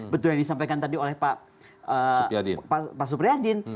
betul yang disampaikan tadi oleh pak supriyadin